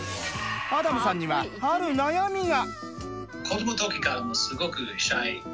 アダムさんにはある悩みが。